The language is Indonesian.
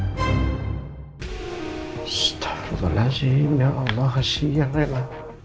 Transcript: astaghfirullahaladzim ya allah kasian reyna